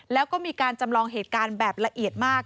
แล้วก็มีการจำลองเหตุการณ์แบบละเอียดมาก